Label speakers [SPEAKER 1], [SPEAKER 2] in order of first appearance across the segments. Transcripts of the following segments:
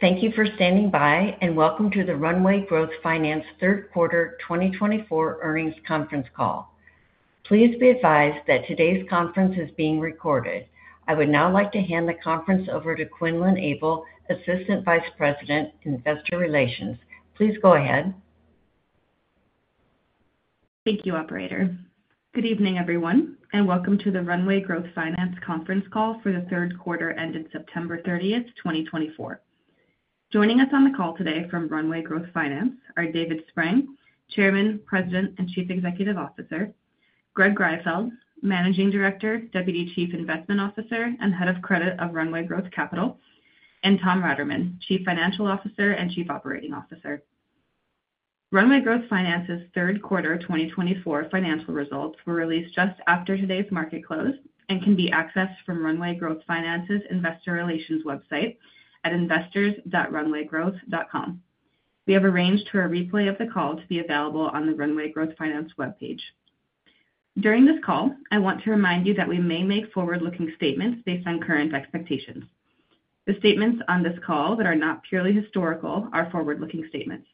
[SPEAKER 1] Thank you for standing by, and welcome to the Runway Growth Finance Third quarter 2024 Earnings Conference Call. Please be advised that today's conference is being recorded. I would now like to hand the conference over to Quinlan Abel, Assistant Vice President, Investor Relations. Please go ahead.
[SPEAKER 2] Thank you, Operator. Good evening, everyone, and welcome to the Runway Growth Finance conference call for the third quarter ended September 30th, 2024. Joining us on the call today from Runway Growth Finance are David Spreng, Chairman, President, and Chief Executive Officer, Greg Greifeld, Managing Director, Deputy Chief Investment Officer, and Head of Credit of Runway Growth Capital, and Tom Raterman, Chief Financial Officer and Chief Operating Officer. Runway Growth Finance's third quarter 2024 financial results were released just after today's market close and can be accessed from Runway Growth Finance's Investor Relations website at investors.runwaygrowth.com. We have arranged for a replay of the call to be available on the Runway Growth Finance webpage. During this call, I want to remind you that we may make forward-looking statements based on current expectations. The statements on this call that are not purely historical are forward-looking statements.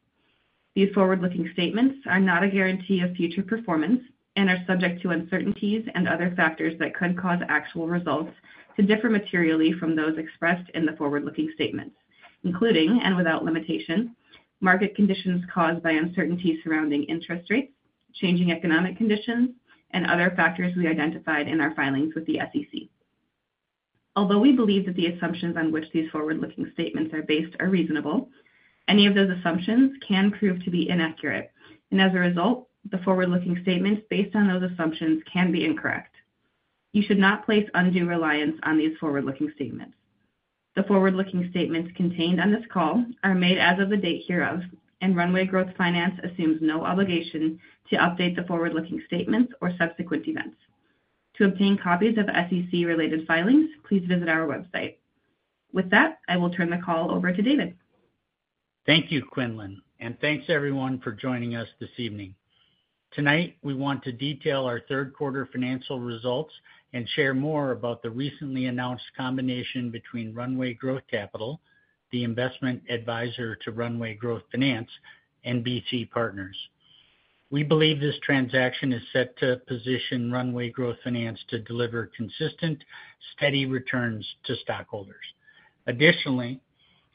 [SPEAKER 2] These forward-looking statements are not a guarantee of future performance and are subject to uncertainties and other factors that could cause actual results to differ materially from those expressed in the forward-looking statements, including and without limitation, market conditions caused by uncertainties surrounding interest rates, changing economic conditions, and other factors we identified in our filings with the SEC. Although we believe that the assumptions on which these forward-looking statements are based are reasonable, any of those assumptions can prove to be inaccurate, and as a result, the forward-looking statements based on those assumptions can be incorrect. You should not place undue reliance on these forward-looking statements. The forward-looking statements contained on this call are made as of the date hereof, and Runway Growth Finance assumes no obligation to update the forward-looking statements or subsequent events. To obtain copies of SEC-related filings, please visit our website. With that, I will turn the call over to David.
[SPEAKER 3] Thank you, Quinlan, and thanks, everyone, for joining us this evening. Tonight, we want to detail our third quarter financial results and share more about the recently announced combination between Runway Growth Capital, the investment advisor to Runway Growth Finance, and BC Partners. We believe this transaction is set to position Runway Growth Finance to deliver consistent, steady returns to stockholders. Additionally,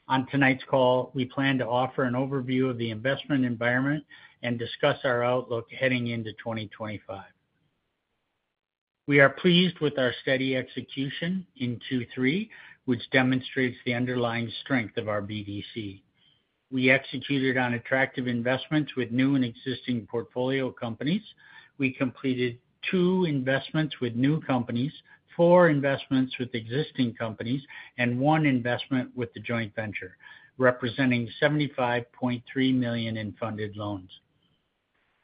[SPEAKER 3] on tonight's call, we plan to offer an overview of the investment environment and discuss our outlook heading into 2025. We are pleased with our steady execution in Q3, which demonstrates the underlying strength of our BDC. We executed on attractive investments with new and existing portfolio companies. We completed two investments with new companies, four investments with existing companies, and one investment with the joint venture, representing $75.3 million in funded loans.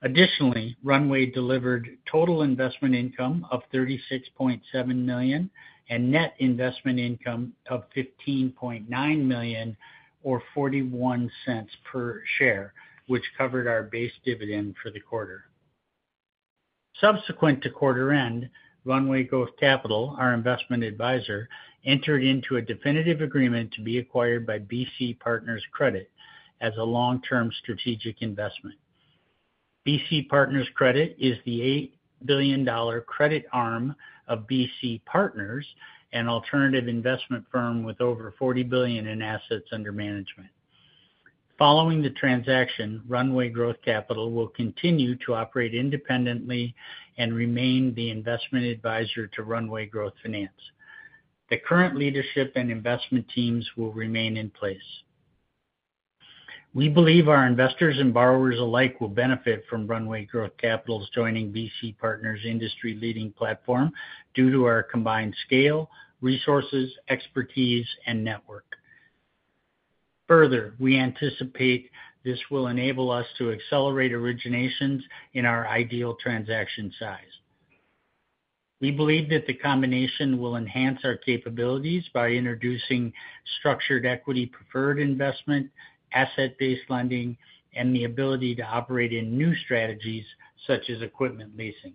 [SPEAKER 3] Additionally, Runway delivered total investment income of $36.7 million and Net Investment Income of $15.9 million, or $0.41 per share, which covered our base dividend for the quarter. Subsequent to quarter end, Runway Growth Capital, our investment advisor, entered into a definitive agreement to be acquired by BC Partners Credit as a long-term strategic investment. BC Partners Credit is the $8 billion credit arm of BC Partners, an alternative investment firm with over $40 billion in assets under management. Following the transaction, Runway Growth Capital will continue to operate independently and remain the investment advisor to Runway Growth Finance. The current leadership and investment teams will remain in place. We believe our investors and borrowers alike will benefit from Runway Growth Capital's joining BC Partners' industry-leading platform due to our combined scale, resources, expertise, and network. Further, we anticipate this will enable us to accelerate originations in our ideal transaction size. We believe that the combination will enhance our capabilities by introducing structured equity preferred investment, asset-based lending, and the ability to operate in new strategies such as equipment leasing.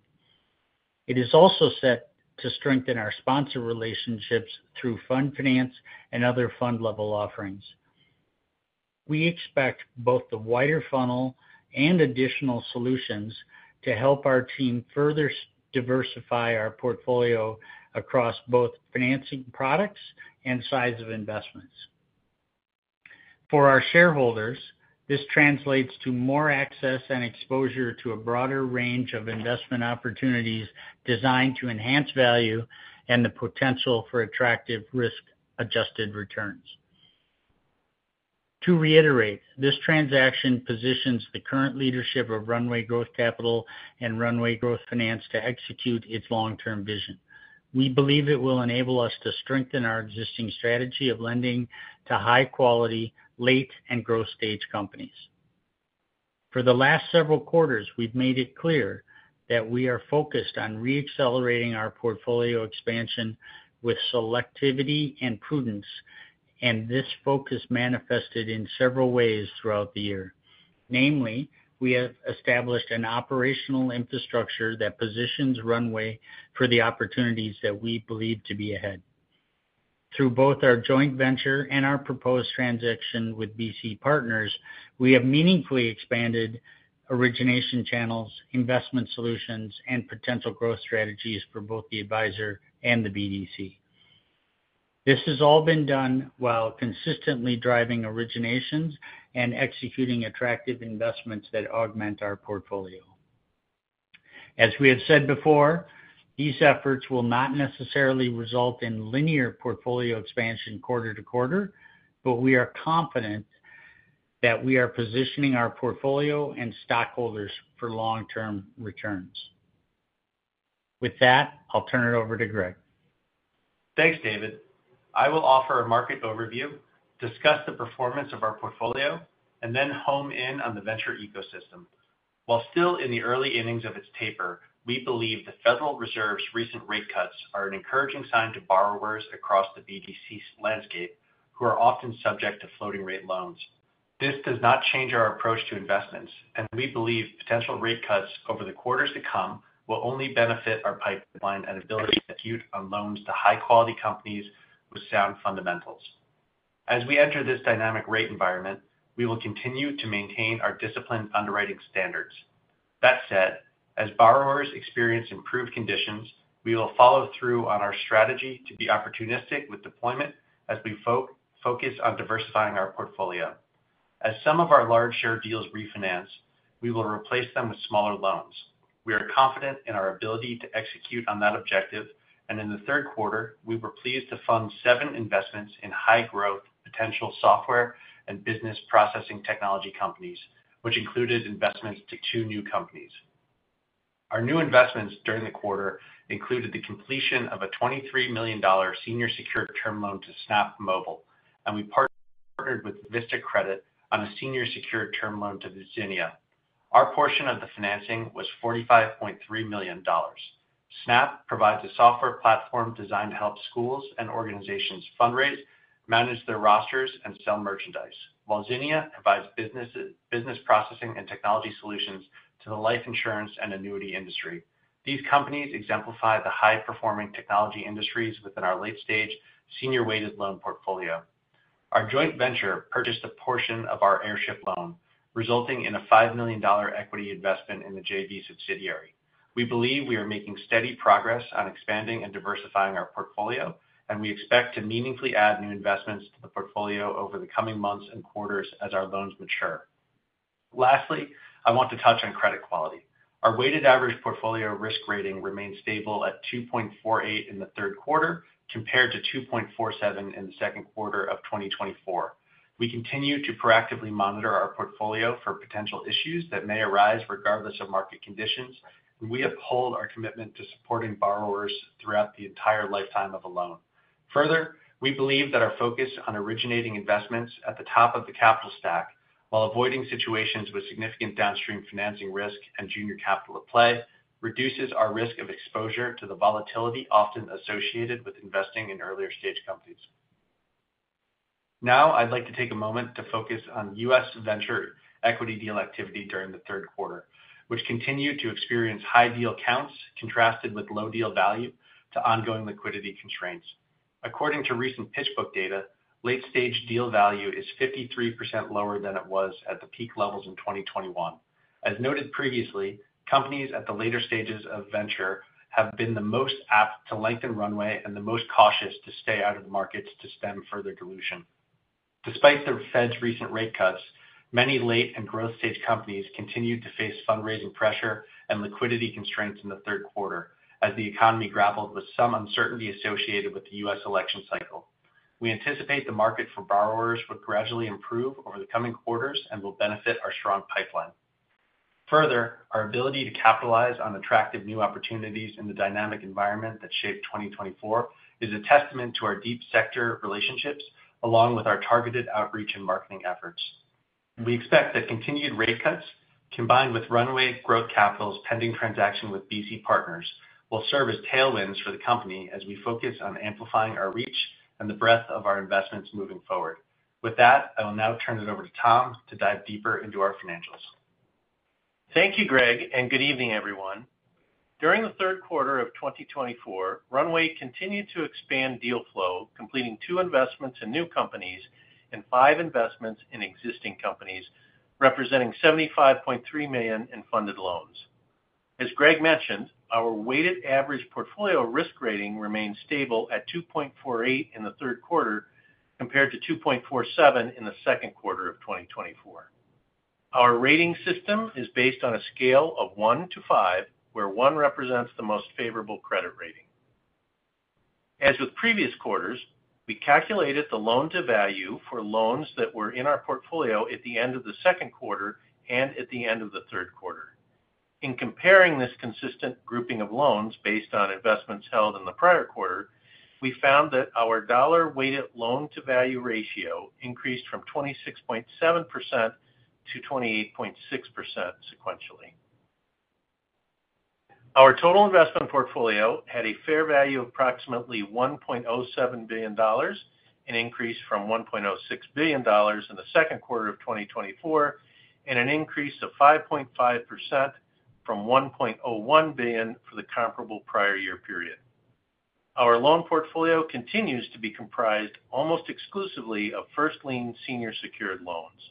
[SPEAKER 3] It is also set to strengthen our sponsor relationships through fund finance and other fund-level offerings. We expect both the wider funnel and additional solutions to help our team further diversify our portfolio across both financing products and size of investments. For our shareholders, this translates to more access and exposure to a broader range of investment opportunities designed to enhance value and the potential for attractive risk-adjusted returns. To reiterate, this transaction positions the current leadership of Runway Growth Capital and Runway Growth Finance to execute its long-term vision. We believe it will enable us to strengthen our existing strategy of lending to high-quality, late and growth-stage companies. For the last several quarters, we've made it clear that we are focused on re-accelerating our portfolio expansion with selectivity and prudence, and this focus manifested in several ways throughout the year. Namely, we have established an operational infrastructure that positions Runway for the opportunities that we believe to be ahead. Through both our joint venture and our proposed transaction with BC Partners, we have meaningfully expanded origination channels, investment solutions, and potential growth strategies for both the advisor and the BDC. This has all been done while consistently driving originations and executing attractive investments that augment our portfolio. As we have said before, these efforts will not necessarily result in linear portfolio expansion quarter to quarter, but we are confident that we are positioning our portfolio and stockholders for long-term returns. With that, I'll turn it over to Greg.
[SPEAKER 4] Thanks, David. I will offer a market overview, discuss the performance of our portfolio, and then home in on the venture ecosystem. While still in the early innings of its taper, we believe the Federal Reserve's recent rate cuts are an encouraging sign to borrowers across the BDC landscape who are often subject to floating-rate loans. This does not change our approach to investments, and we believe potential rate cuts over the quarters to come will only benefit our pipeline and ability to compete on loans to high-quality companies with sound fundamentals. As we enter this dynamic rate environment, we will continue to maintain our disciplined underwriting standards. That said, as borrowers experience improved conditions, we will follow through on our strategy to be opportunistic with deployment as we focus on diversifying our portfolio. As some of our large share deals refinance, we will replace them with smaller loans. We are confident in our ability to execute on that objective, and in the third quarter, we were pleased to fund seven investments in high-growth potential software and business processing technology companies, which included investments to two new companies. Our new investments during the quarter included the completion of a $23 million senior secured term loan to Snap! Mobile, and we partnered with Vista Credit on a senior secured term loan to Zinnia. Our portion of the financing was $45.3 million. Snap! Mobile provides a software platform designed to help schools and organizations fundraise, manage their rosters, and sell merchandise, while Zinnia provides business processing and technology solutions to the life insurance and annuity industry. These companies exemplify the high-performing technology industries within our late-stage senior-weighted loan portfolio. Our joint venture purchased a portion of our Airship loan, resulting in a $5 million equity investment in the JV subsidiary. We believe we are making steady progress on expanding and diversifying our portfolio, and we expect to meaningfully add new investments to the portfolio over the coming months and quarters as our loans mature. Lastly, I want to touch on credit quality. Our weighted average portfolio risk rating remained stable at 2.48 in the third quarter compared to 2.47 in the second quarter of 2024. We continue to proactively monitor our portfolio for potential issues that may arise regardless of market conditions, and we uphold our commitment to supporting borrowers throughout the entire lifetime of a loan. Further, we believe that our focus on originating investments at the top of the capital stack, while avoiding situations with significant downstream financing risk and junior capital at play, reduces our risk of exposure to the volatility often associated with investing in earlier-stage companies. Now, I'd like to take a moment to focus on U.S. venture equity deal activity during the third quarter, which continued to experience high deal counts contrasted with low deal value to ongoing liquidity constraints. According to recent PitchBook data, late-stage deal value is 53% lower than it was at the peak levels in 2021. As noted previously, companies at the later stages of venture have been the most apt to lengthen runway and the most cautious to stay out of the markets to stem further dilution. Despite the Fed's recent rate cuts, many late and growth-stage companies continued to face fundraising pressure and liquidity constraints in the third quarter as the economy grappled with some uncertainty associated with the U.S. election cycle. We anticipate the market for borrowers will gradually improve over the coming quarters and will benefit our strong pipeline. Further, our ability to capitalize on attractive new opportunities in the dynamic environment that shaped 2024 is a testament to our deep sector relationships along with our targeted outreach and marketing efforts. We expect that continued rate cuts combined with Runway Growth Capital's pending transaction with BC Partners will serve as tailwinds for the company as we focus on amplifying our reach and the breadth of our investments moving forward. With that, I will now turn it over to Tom to dive deeper into our financials.
[SPEAKER 5] Thank you, Greg, and good evening, everyone. During the third quarter of 2024, Runway continued to expand deal flow, completing two investments in new companies and five investments in existing companies, representing $75.3 million in funded loans. As Greg mentioned, our weighted average portfolio risk rating remained stable at 2.48 in the third quarter compared to 2.47 in the second quarter of 2024. Our rating system is based on a scale of 1 to 5, where 1 represents the most favorable credit rating. As with previous quarters, we calculated the loan-to-value for loans that were in our portfolio at the end of the second quarter and at the end of the third quarter. In comparing this consistent grouping of loans based on investments held in the prior quarter, we found that our dollar-weighted loan-to-value ratio increased from 26.7% to 28.6% sequentially. Our total investment portfolio had a fair value of approximately $1.07 billion, an increase from $1.06 billion in the second quarter of 2024, and an increase of 5.5% from $1.01 billion for the comparable prior year period. Our loan portfolio continues to be comprised almost exclusively of first-lien senior secured loans.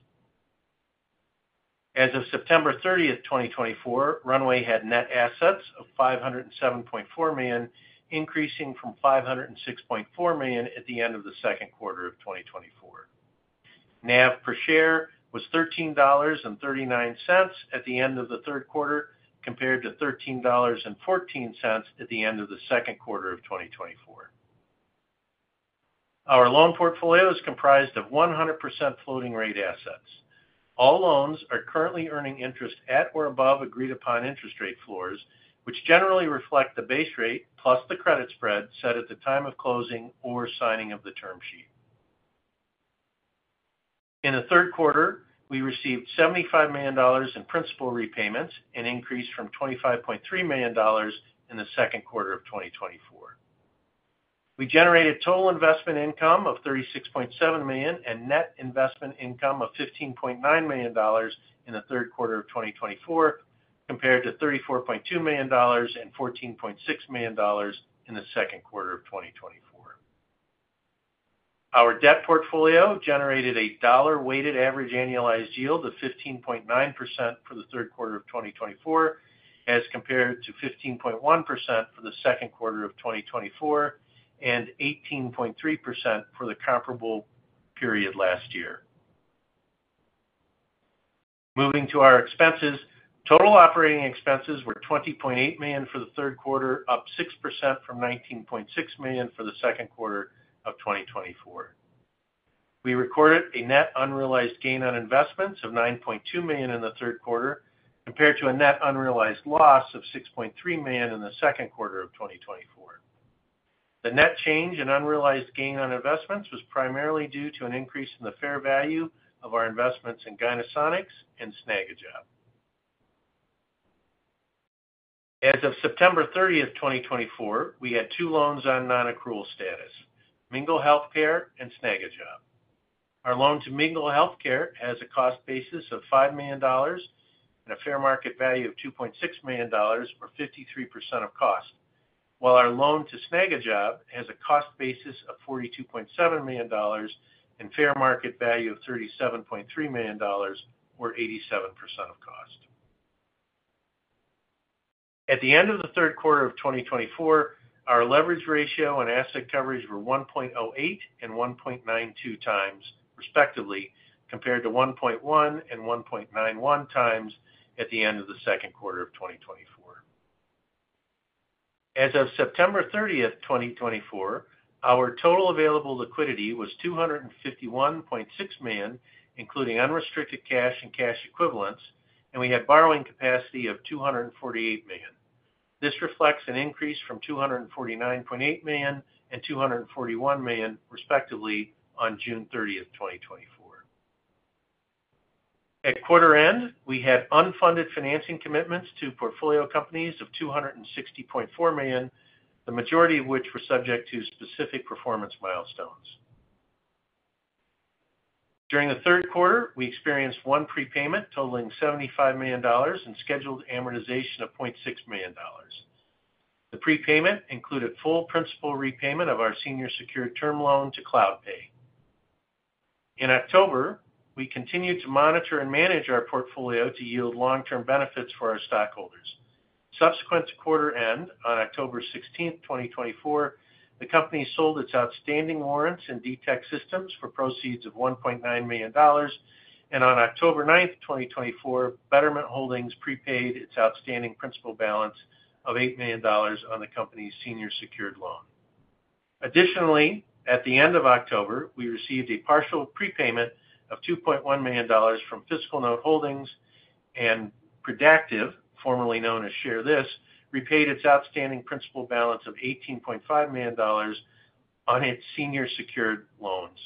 [SPEAKER 5] As of September 30th, 2024, Runway had net assets of $507.4 million, increasing from $506.4 million at the end of the second quarter of 2024. NAV per share was $13.39 at the end of the third quarter compared to $13.14 at the end of the second quarter of 2024. Our loan portfolio is comprised of 100% floating-rate assets. All loans are currently earning interest at or above agreed-upon interest rate floors, which generally reflect the base rate plus the credit spread set at the time of closing or signing of the term sheet. In the third quarter, we received $75 million in principal repayments, an increase from $25.3 million in the second quarter of 2024. We generated total investment income of $36.7 million and Net Investment Income of $15.9 million in the third quarter of 2024 compared to $34.2 million and $14.6 million in the second quarter of 2024. Our debt portfolio generated a dollar-weighted average annualized yield of 15.9% for the third quarter of 2024 as compared to 15.1% for the second quarter of 2024 and 18.3% for the comparable period last year. Moving to our expenses, total operating expenses were $20.8 million for the third quarter, up 6% from $19.6 million for the second quarter of 2024. We recorded a net unrealized gain on investments of $9.2 million in the third quarter compared to a net unrealized loss of $6.3 million in the second quarter of 2024. The net change in unrealized gain on investments was primarily due to an increase in the fair value of our investments in Gynesonics and Snagajob. As of September 30th, 2024, we had two loans on non-accrual status: Mingle Healthcare and Snagajob. Our loan to Mingle Healthcare has a cost basis of $5 million and a fair market value of $2.6 million or 53% of cost, while our loan to Snagajob has a cost basis of $42.7 million and fair market value of $37.3 million or 87% of cost. At the end of the third quarter of 2024, our leverage ratio and asset coverage were 1.08 and 1.92 times, respectively, compared to 1.1 and 1.91 times at the end of the second quarter of 2024. As of September 30, 2024, our total available liquidity was $251.6 million, including unrestricted cash and cash equivalents, and we had borrowing capacity of $248 million. This reflects an increase from $249.8 million and $241 million, respectively, on June 30, 2024. At quarter end, we had unfunded financing commitments to portfolio companies of $260.4 million, the majority of which were subject to specific performance milestones. During the third quarter, we experienced one prepayment totaling $75 million and scheduled amortization of $0.6 million. The prepayment included full principal repayment of our senior secured term loan to CloudPay. In October, we continued to monitor and manage our portfolio to yield long-term benefits for our stockholders. Subsequent to quarter end, on October 16th, 2024, the company sold its outstanding warrants in DTiQ Systems for proceeds of $1.9 million, and on October 9th, 2024, Betterment Holdings prepaid its outstanding principal balance of $8 million on the company's senior secured loan. Additionally, at the end of October, we received a partial prepayment of $2.1 million from FiscalNote Holdings, and Predactiv, formerly known as ShareThis, repaid its outstanding principal balance of $18.5 million on its senior secured loans.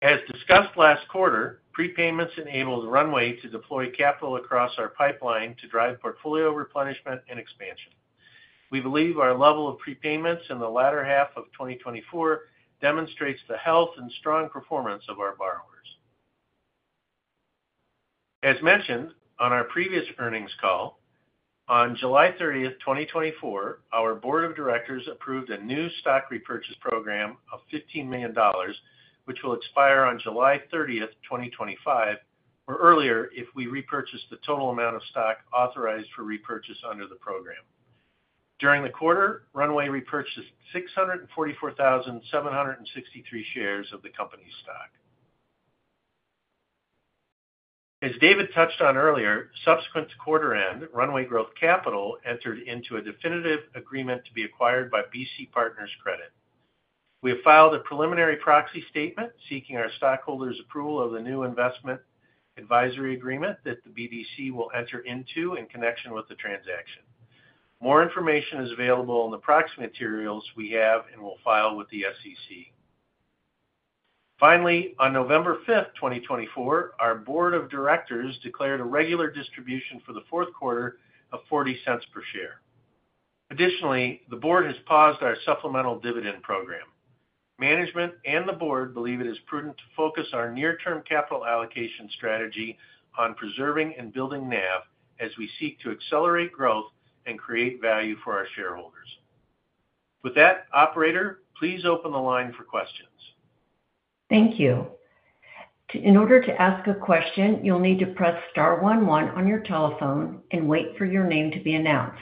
[SPEAKER 5] As discussed last quarter, prepayments enabled Runway to deploy capital across our pipeline to drive portfolio replenishment and expansion. We believe our level of prepayments in the latter half of 2024 demonstrates the health and strong performance of our borrowers. As mentioned on our previous earnings call, on July 30, 2024, our board of directors approved a new stock repurchase program of $15 million, which will expire on July 30, 2025, or earlier if we repurchase the total amount of stock authorized for repurchase under the program. During the quarter, Runway repurchased 644,763 shares of the company's stock. As David touched on earlier, subsequent to quarter end, Runway Growth Capital entered into a definitive agreement to be acquired by BC Partners Credit. We have filed a preliminary proxy statement seeking our stockholders' approval of the new investment advisory agreement that the BDC will enter into in connection with the transaction. More information is available in the proxy materials we have and will file with the SEC. Finally, on November 5, 2024, our board of directors declared a regular distribution for the fourth quarter of $0.40 per share. Additionally, the board has paused our supplemental dividend program. Management and the board believe it is prudent to focus our near-term capital allocation strategy on preserving and building NAV as we seek to accelerate growth and create value for our shareholders. With that, Operator, please open the line for questions.
[SPEAKER 1] Thank you. In order to ask a question, you'll need to press Star 11 on your telephone and wait for your name to be announced.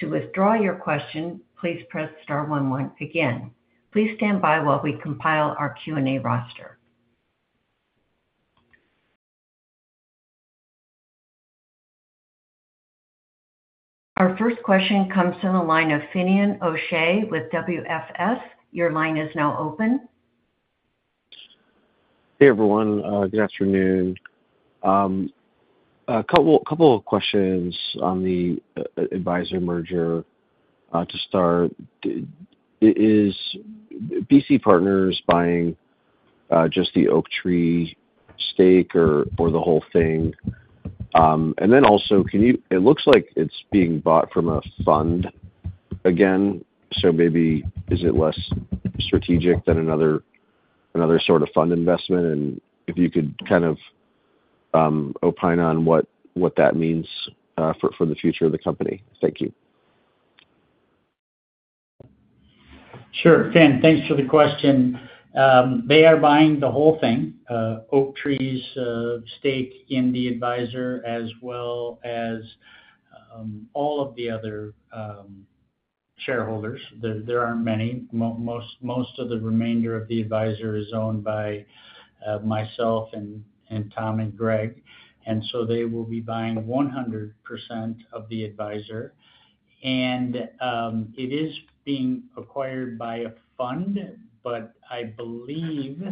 [SPEAKER 1] To withdraw your question, please press Star 11 again. Please stand by while we compile our Q&A roster. Our first question comes from the line of Finian O'Shea with WFS. Your line is now open.
[SPEAKER 6] Hey, everyone. Good afternoon. A couple of questions on the advisor merger to start. Is BC Partners buying just the Oaktree stake or the whole thing? And then also, it looks like it's being bought from a fund again. So maybe is it less strategic than another sort of fund investment? And if you could kind of opine on what that means for the future of the company. Thank you.
[SPEAKER 3] Sure. Fin, thanks for the question. They are buying the whole thing, Oaktree's stake in the advisor, as well as all of the other shareholders. There aren't many. Most of the remainder of the advisor is owned by myself and Tom and Greg. And so they will be buying 100% of the advisor. And it is being acquired by a fund, but I believe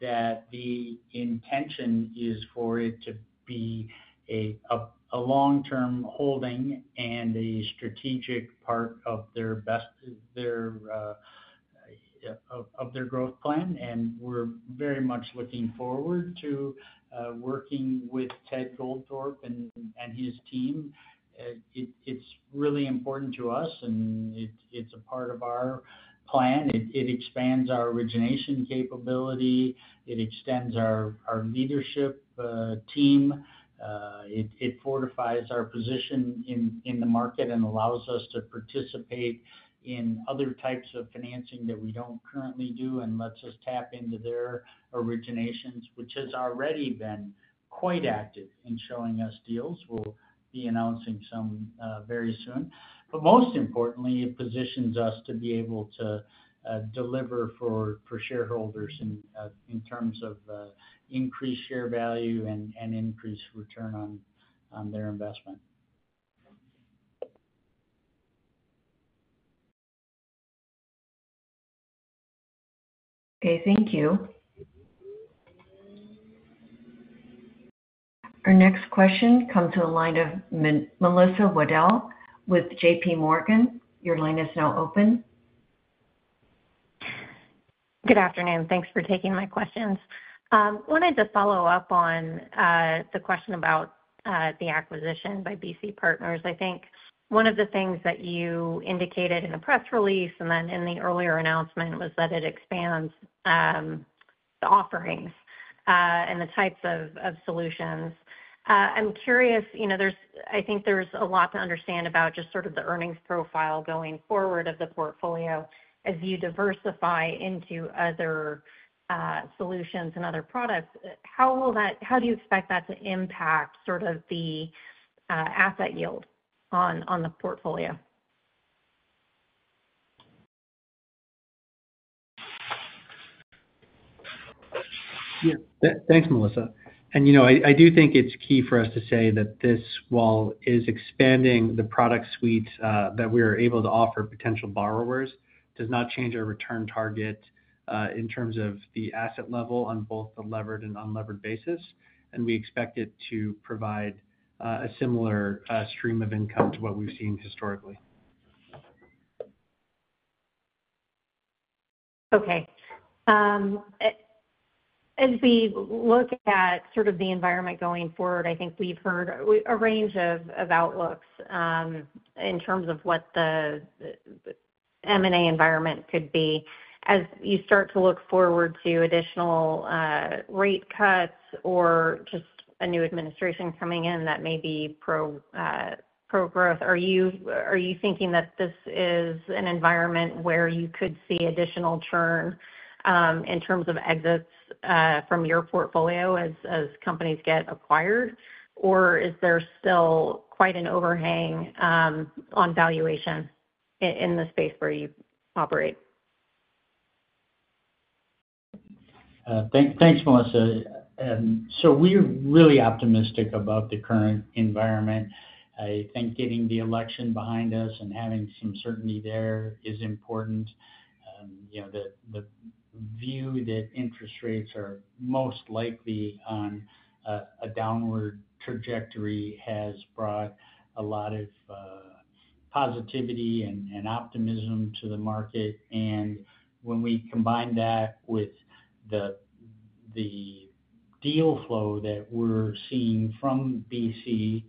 [SPEAKER 3] that the intention is for it to be a long-term holding and a strategic part of their growth plan. And we're very much looking forward to working with Ted Goldthorpe and his team. It's really important to us, and it's a part of our plan. It expands our origination capability. It extends our leadership team. It fortifies our position in the market and allows us to participate in other types of financing that we don't currently do and lets us tap into their originations, which has already been quite active in showing us deals. We'll be announcing some very soon. But most importantly, it positions us to be able to deliver for shareholders in terms of increased share value and increased return on their investment.
[SPEAKER 1] Okay. Thank you. Our next question comes to the line of Melissa Wedel with JPMorgan. Your line is now open.
[SPEAKER 7] Good afternoon. Thanks for taking my questions. I wanted to follow up on the question about the acquisition by BC Partners. I think one of the things that you indicated in the press release and then in the earlier announcement was that it expands the offerings and the types of solutions. I'm curious, I think there's a lot to understand about just sort of the earnings profile going forward of the portfolio as you diversify into other solutions and other products. How do you expect that to impact sort of the asset yield on the portfolio?
[SPEAKER 4] Yeah. Thanks, Melissa, and I do think it's key for us to say that this, while it is expanding the product suite that we are able to offer potential borrowers, does not change our return target in terms of the asset level on both the levered and unlevered basis, and we expect it to provide a similar stream of income to what we've seen historically.
[SPEAKER 7] Okay. As we look at sort of the environment going forward, I think we've heard a range of outlooks in terms of what the M&A environment could be. As you start to look forward to additional rate cuts or just a new administration coming in that may be pro-growth, are you thinking that this is an environment where you could see additional churn in terms of exits from your portfolio as companies get acquired? Or is there still quite an overhang on valuation in the space where you operate?
[SPEAKER 3] Thanks, Melissa. So we're really optimistic about the current environment. I think getting the election behind us and having some certainty there is important. The view that interest rates are most likely on a downward trajectory has brought a lot of positivity and optimism to the market. And when we combine that with the deal flow that we're seeing from BC,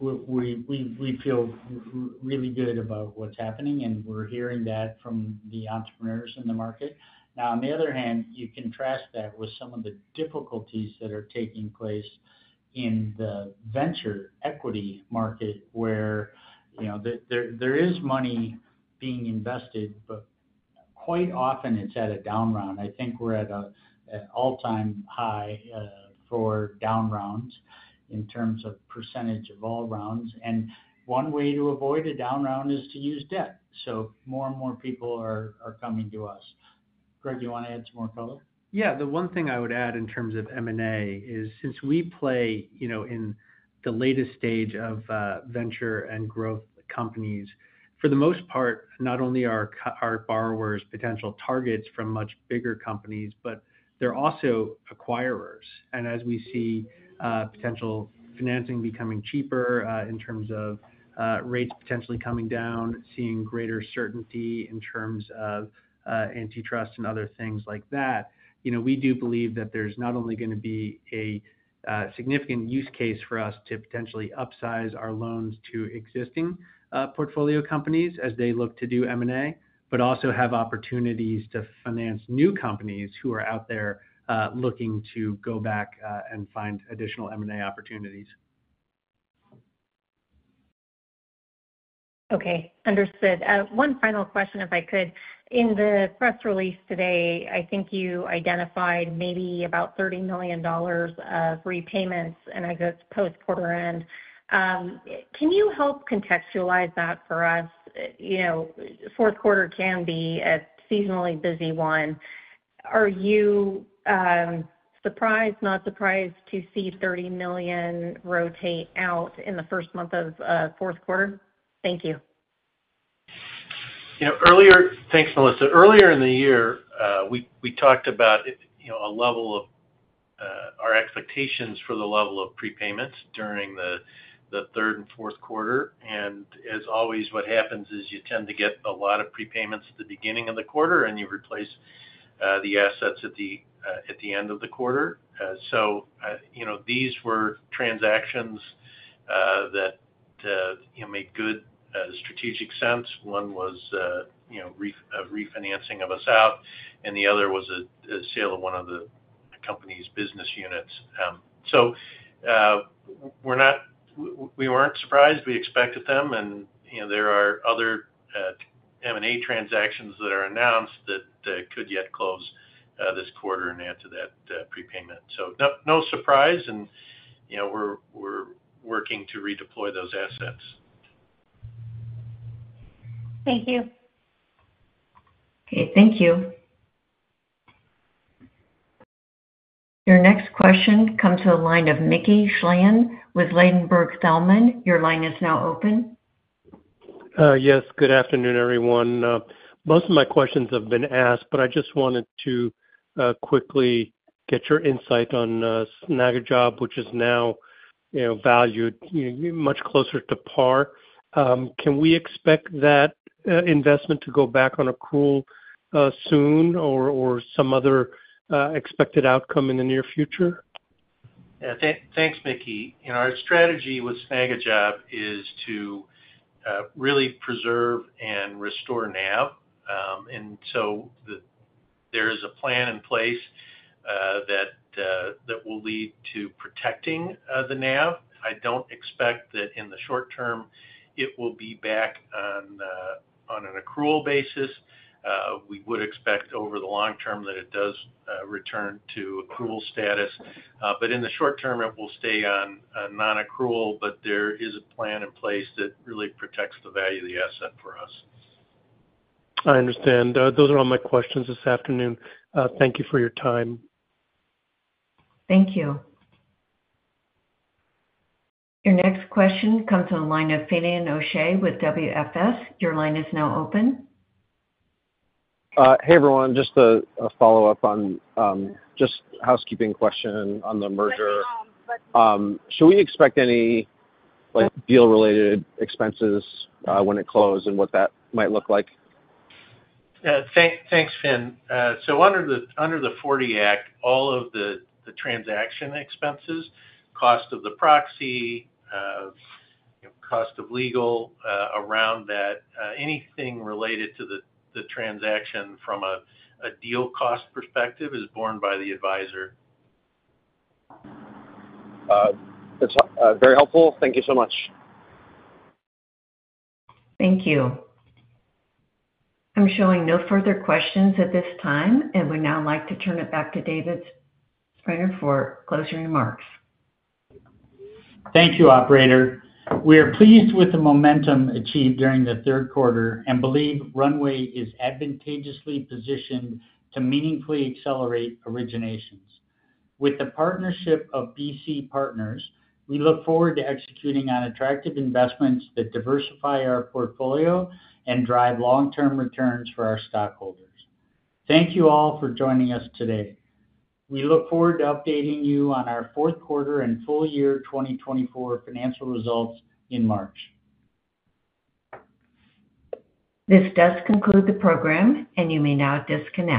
[SPEAKER 3] we feel really good about what's happening, and we're hearing that from the entrepreneurs in the market. Now, on the other hand, you contrast that with some of the difficulties that are taking place in the venture equity market, where there is money being invested, but quite often it's at a down round. I think we're at an all-time high for down rounds in terms of percentage of all rounds. And one way to avoid a down round is to use debt. So more and more people are coming to us. Greg, do you want to add some more color?
[SPEAKER 4] Yeah. The one thing I would add in terms of M&A is, since we play in the latest stage of venture and growth companies, for the most part, not only are our borrowers potential targets from much bigger companies, but they're also acquirers. And as we see potential financing becoming cheaper in terms of rates potentially coming down, seeing greater certainty in terms of antitrust and other things like that, we do believe that there's not only going to be a significant use case for us to potentially upsize our loans to existing portfolio companies as they look to do M&A, but also have opportunities to finance new companies who are out there looking to go back and find additional M&A opportunities.
[SPEAKER 7] Okay. Understood. One final question, if I could. In the press release today, I think you identified maybe about $30 million of repayments and I guess post-quarter end. Can you help contextualize that for us? Fourth quarter can be a seasonally busy one. Are you surprised, not surprised, to see $30 million rotate out in the first month of fourth quarter? Thank you.
[SPEAKER 4] Thanks, Melissa. Earlier in the year, we talked about a level of our expectations for the level of prepayments during the third and fourth quarter, and as always, what happens is you tend to get a lot of prepayments at the beginning of the quarter, and you replace the assets at the end of the quarter, so these were transactions that made good strategic sense. One was a refinancing of us out, and the other was a sale of one of the company's business units, so we weren't surprised. We expected them, and there are other M&A transactions that are announced that could yet close this quarter and add to that prepayment, so no surprise, and we're working to redeploy those assets.
[SPEAKER 7] Thank you.
[SPEAKER 1] Okay. Thank you. Your next question comes to the line of Mickey Schleien with Ladenburg Thalmann. Your line is now open.
[SPEAKER 8] Yes. Good afternoon, everyone. Most of my questions have been asked, but I just wanted to quickly get your insight on Snagajob, which is now valued much closer to par. Can we expect that investment to go back on accrual soon or some other expected outcome in the near future?
[SPEAKER 4] Thanks, Mickey. Our strategy with Snagajob is to really preserve and restore NAV, and so there is a plan in place that will lead to protecting the NAV. I don't expect that in the short term it will be back on an accrual basis. We would expect over the long term that it does return to accrual status, but in the short term, it will stay on non-accrual, but there is a plan in place that really protects the value of the asset for us.
[SPEAKER 8] I understand. Those are all my questions this afternoon. Thank you for your time.
[SPEAKER 1] Thank you. Your next question comes to the line of Finian O'Shea with WFS. Your line is now open.
[SPEAKER 6] Hey, everyone. Just a follow-up on just housekeeping question on the merger. Should we expect any deal-related expenses when it closes and what that might look like?
[SPEAKER 4] Thanks, Fin. So under the 40 Act, all of the transaction expenses, cost of the proxy, cost of legal around that, anything related to the transaction from a deal cost perspective is borne by the advisor.
[SPEAKER 6] That's very helpful. Thank you so much.
[SPEAKER 1] Thank you. I'm showing no further questions at this time. And we'd now like to turn it back to David Spreng for closing remarks.
[SPEAKER 3] Thank you, Operator. We are pleased with the momentum achieved during the third quarter and believe Runway is advantageously positioned to meaningfully accelerate originations. With the partnership of BC Partners, we look forward to executing on attractive investments that diversify our portfolio and drive long-term returns for our stockholders. Thank you all for joining us today. We look forward to updating you on our fourth quarter and full year 2024 financial results in March.
[SPEAKER 1] This does conclude the program, and you may now disconnect.